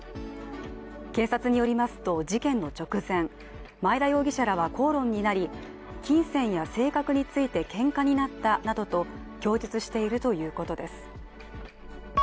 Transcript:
警察によりますと事件の直前、前田容疑者らは口論になり金銭や性格についてけんかになったなどと供述しているということです。